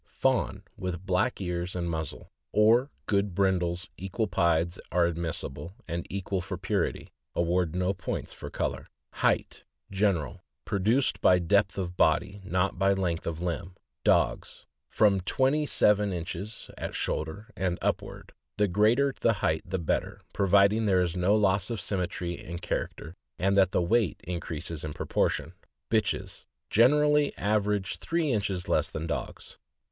— Fawn, with black ears and muzzle, or good brin dles equal pieds are admissible and equal for purity — award no points for color. HEIGHT. General. — Produced by depth of body, not by length of limb. Dogs. — From twenty seven inches at shoulder and up ward; the greater the height the better, providing there is no loss of symmetry and character, and that the weight increases in proportion. Bitches. — Generally average three inches less than dogs.